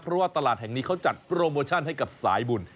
เพราะว่าตลาดแห่งนี้เขาจัดโปรโมชั่นให้กับสายบุญ